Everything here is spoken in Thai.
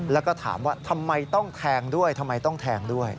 แล้วก็ถามว่าทำไมต้องแทงด้วยทำไมต้องแทงด้วย